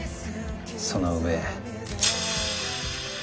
その上。